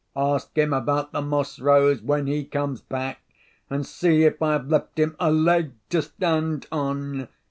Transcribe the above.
"Ask him about the moss rose, when he comes back, and see if I have left him a leg to stand on!"